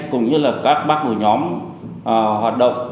cùng với các băng ổ nhóm hoạt động